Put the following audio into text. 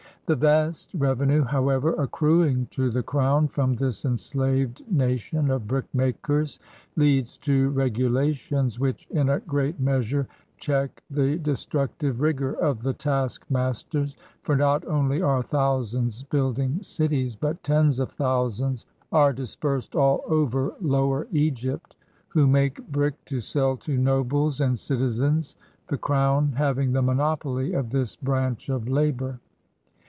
The vast revenue, however, accruing to the crown from this enslaved nation of brick makers, leads to regu lations which in a great measure check the destructive rigor of the taskmasters ; for not only are thousands build ing cities, but tens of thousands are dispersed all over Lower Egypt, who make brick to sell to nobles and citi zens, the crown having the monopoly of this branch of labor.